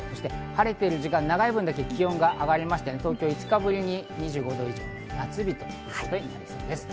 晴れている時間が長い分だけ気温が上がって、東京は５日ぶりに２５度以上、夏日ということになりそうです。